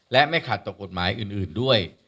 และไม่ขัดต่อกฎหมายอื่นด้วย